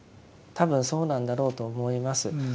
多分そうなんだろうと思います。